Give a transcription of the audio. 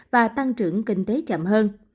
và tăng trưởng kinh tế chậm hơn